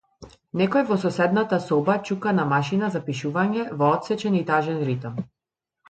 Некој во соседната соба чука на машина за пишување во отсечен и тажен ритам.